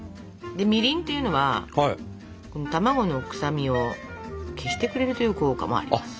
みりんっていうのは卵の臭みを消してくれるという効果もあります。